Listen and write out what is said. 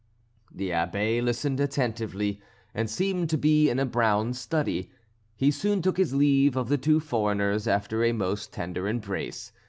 The Abbé listened attentively, and seemed to be in a brown study. He soon took his leave of the two foreigners after a most tender embrace.